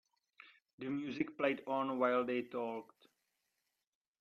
The music played on while they talked.